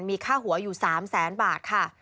มีค่าหัวอยู่๓๐๐๐๐๐บาทค่ะ